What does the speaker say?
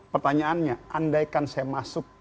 pertanyaannya andaikan saya masuk ke dalam lukangnya